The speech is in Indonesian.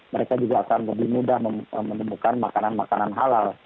mereka juga akan lebih mudah menemukan makanan makanan halal